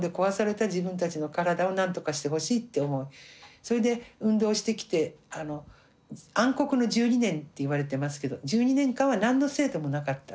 それで運動してきて暗黒の１２年って言われてますけど１２年間は何の制度もなかった。